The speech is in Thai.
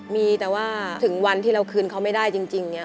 มีแต่ว่าถึงวันที่เราคืนเขาไม่ได้จริงเนี่ย